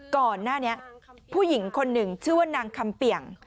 ก่อนหน้านี้ผู้หญิงคนหนึ่งชื่อว่านางคำเปี่ยง